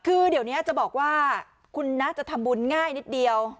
คือเดี๋ยวนี้จะบอกว่าคุณน่าจะทำบุญง่ายนิดเดียว